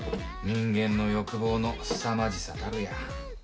人間の欲望のすさまじさたるや。